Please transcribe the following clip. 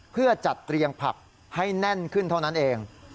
เพื่อจัดเรียงผักให้แน่นขึ้นเท่านั้นเอง